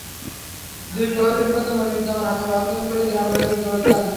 দুই প্রহরীর মধ্যে মনিরুজ্জামান হাতের বাঁধন খুলে গ্রামের ভেতরে দৌড়ে যান।